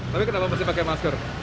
tapi kenapa mesti pakai masker